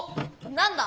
何だ？